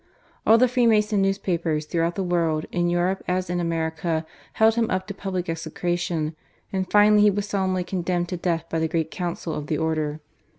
All the Freemason newspapers throughout the world. in Europe as in America, held him up to public execration, and finally he was solemnly condemned to death by the Great Council of the Order.